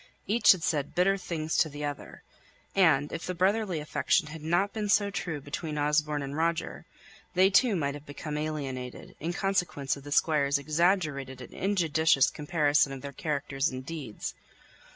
Each had said bitter things to the other; and, if the brotherly affection had not been so true between Osborne and Roger, they too might have become alienated, in consequence of the Squire's exaggerated and injudicious comparison of their characters and deeds.